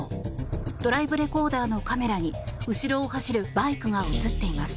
ドライブレコーダーのカメラに後ろを走るバイクが映っています。